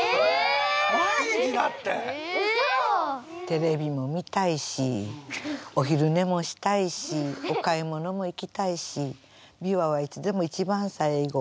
テレビも見たいしお昼寝もしたいしお買い物も行きたいし琵琶はいつでも一番最後。